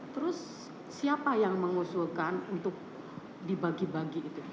terus siapa yang mengusulkan untuk dibagi bagi itu